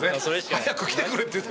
早く来てくれっていうね。